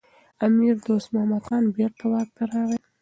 امیر دوست محمد خان بیرته واک ته راغی.